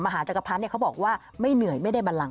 หาจักรพรรดิเขาบอกว่าไม่เหนื่อยไม่ได้บันลัง